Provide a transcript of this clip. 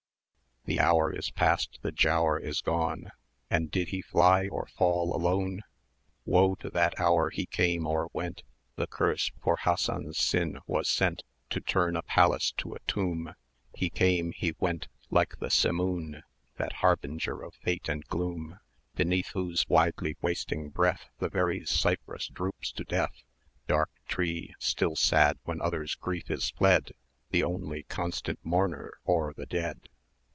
The hour is past, the Giaour is gone: And did he fly or fall alone?[dc] Woe to that hour he came or went! The curse for Hassan's sin was sent 280 To turn a palace to a tomb; He came, he went, like the Simoom, That harbinger of Fate and gloom, Beneath whose widely wasting breath The very cypress droops to death Dark tree, still sad when others' grief is fled, The only constant mourner o'er the dead!